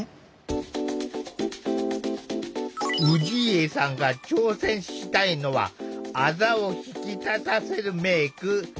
氏家さんが挑戦したいのはあざを引き立たせるメーク。